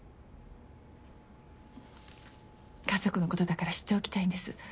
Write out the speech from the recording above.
家族のことだから知っておきたいんです。